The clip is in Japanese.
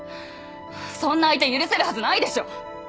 そんな相手許せるはずないでしょ。